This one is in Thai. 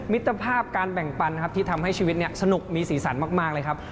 มิตรภาพการแบ่งปันครับที่ทำให้ชีวิตสนุกมีสีสันมากเลยครับ